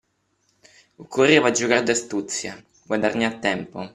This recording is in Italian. Occorreva giocar d'astuzia, guadagnar tempo.